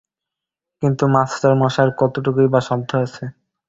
কিন্তু মাস্টারমশায়ের কতটুকুই বা সাধ্য আছে।